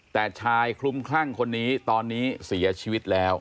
แต่ชายคลุมคลั่งคนนี้ตอนนี้เสียชีวิตแล้ว